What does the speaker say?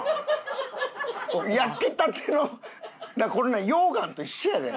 焼きたてのこれ溶岩と一緒やで？